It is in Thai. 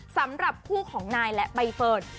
สำหรับคู่ของนายและใบเฟิร์น